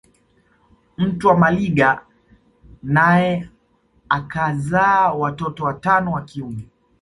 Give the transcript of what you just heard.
Mtwa Maliga naye akazaa watoto watano wa kiume